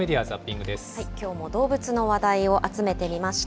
きょうも動物の話題を集めてみました。